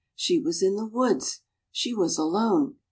She was in the woods. She was alone.